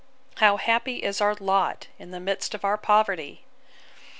How happy is our lot in the midst of our poverty!